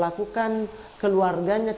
didulungkan antaraullah dan bapak